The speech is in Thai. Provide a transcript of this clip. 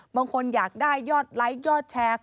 บางคนอยากได้ยอดไลค์ยอดแชร์